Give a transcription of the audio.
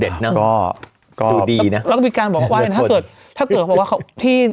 เด็ดน่ะก็ดูดีน่ะแล้วก็มีการบอกไว้น่ะถ้าเกิดถ้าเกิดเขาบอกว่าเขาที่